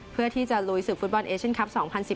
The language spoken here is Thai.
เพื่อที่จะลุยศึกฟุตบอลเอเชียนคลับ๒๐๑๙